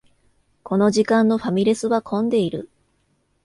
この時間のファミレスは混んでいる